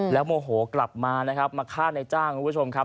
แล้วโมโหกลับมานะครับมาฆ่าในจ้างคุณผู้ชมครับ